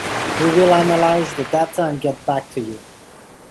We will analyze the data and get back to you.